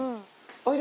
おいで。